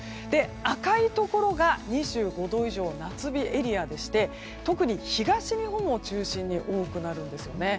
赤いところが２５度以上夏日エリアでして特に東日本を中心に多くなるんですね。